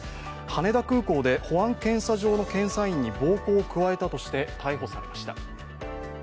羽田空港で検査員に暴行を加えたとして逮捕されました。